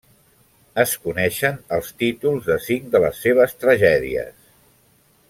Es coneixen els títols de cinc de les seves tragèdies.